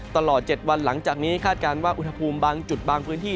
ตลอด๗วันหลังจากนี้คาดการณ์ว่าอุณหภูมิบางจุดบางพื้นที่